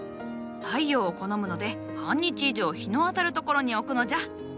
太陽を好むので半日以上日の当たる所に置くのじゃ。